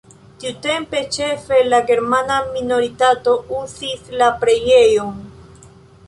Tiutempe ĉefe la germana minoritato uzis la preĝejon.